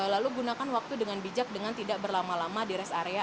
lalu gunakan waktu dengan bijak dengan tidak berlama lama di rest area